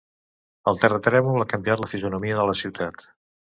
El terratrèmol ha canviat la fisonomia de la ciutat.